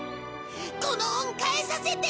この恩返させて。